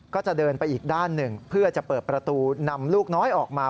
ก็จะเดินไปอีกด้านหนึ่งเพื่อจะเปิดประตูนำลูกน้อยออกมา